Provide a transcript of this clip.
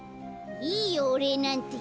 いいよおれいなんて。